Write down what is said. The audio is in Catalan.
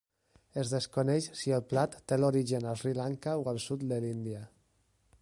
Es desconeix si el plat té l'origen a Sri Lanka o al sud de l'Índia.